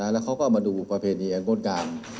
แล้วเขาก็มาดูอุปกรณีแองก้นกลาง